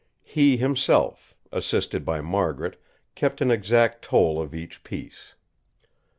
He himself, assisted by Margaret, kept an exact tally of each piece.